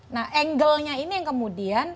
nah angle nya ini yang kemudian